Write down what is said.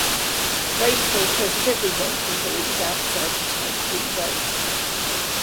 Rainfall present every month although it is outside the typhoon belt.